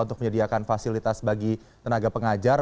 untuk menyediakan fasilitas bagi tenaga pengajar